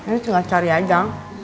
ini tinggal cari aja